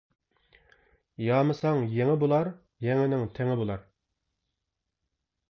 يامىساڭ يېڭى بولار، يېڭىنىڭ تېڭى بولار.